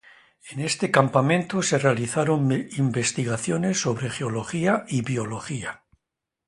En este campamento se realizaron investigaciones sobre geología y biología.